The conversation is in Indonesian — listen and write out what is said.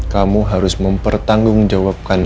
kamu harus mempertanggungjawabkan